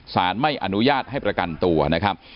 สารไม่อนุญาตให้ประกันตัวนะครับ